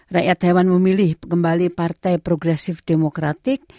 rakyat hewan memilih kembali partai progresif demokratik